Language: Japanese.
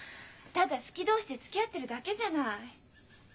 ただ好き同士でつきあってるだけじゃない。